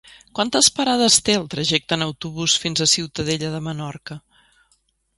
Quantes parades té el trajecte en autobús fins a Ciutadella de Menorca?